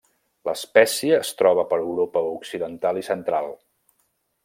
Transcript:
L'espècie es troba per Europa Occidental i Central.